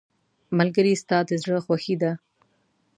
ملګری ستا د زړه خوښي ده.